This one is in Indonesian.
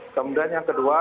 kemudian yang kedua